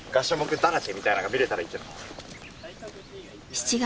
７月。